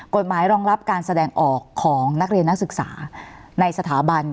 รองรับการแสดงออกของนักเรียนนักศึกษาในสถาบัน